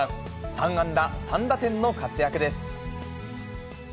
３安打３打点の活躍です。